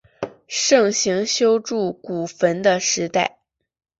盛行修筑古坟的时代。